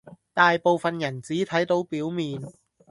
大部分人只睇到表面